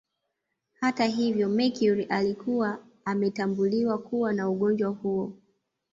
Hata hivyo Mercury alikuwa ametambuliwa kuwa na ugonjwa huo